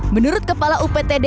menurut kepala uptd